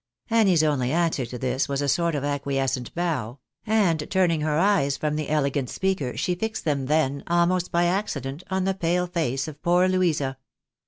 Annie's only answer to this was a sort of acquiescent bow ; and txirning her eyes from the elegant speaker, she fixed them then, almost by accident, on the pale face of poor Louisa.